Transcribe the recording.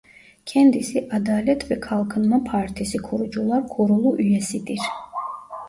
Kendisi Adalet ve Kalkınma Partisi Kurucular Kurulu Üyesidir.